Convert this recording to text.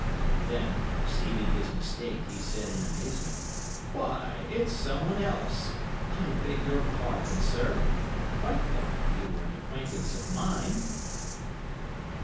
Then, perceiving his mistake, he said in amazement, 'Why, it's someone else! I beg your pardon, sir; I quite thought you were an acquaintance of mine.